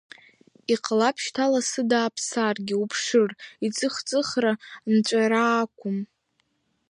Иҟалап шьҭа лассы дааԥсаргьы, уԥшыр, ицыхцыхра нҵәара ақәым.